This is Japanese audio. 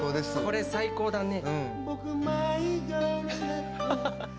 これ最高だね。